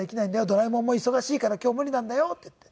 「ドラえもんも忙しいから今日無理なんだよ」って言って。